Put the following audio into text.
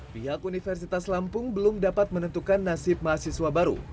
pihak universitas lampung belum dapat menentukan nasib mahasiswa baru